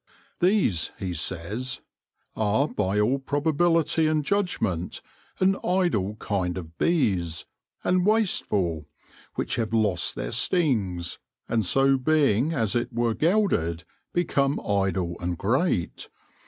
These, he says, " are, by all probability and judgment, an idle kind of bees, and wastefull, which have lost their stings, and so being as it were gelded, become idle and great.